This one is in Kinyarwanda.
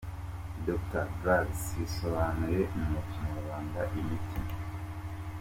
D : Drugs : bisobanuye mu Kinyarwanda “imiti”.